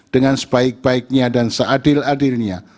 dengan sebaik baiknya dan seadil adilnya